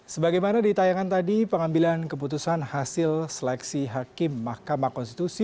sebagai mana di tayangan tadi pengambilan keputusan hasil seleksi hakim mk